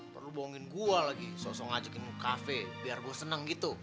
perlu bohongin gue lagi soso ngajakin lo ke kafe biar gue seneng gitu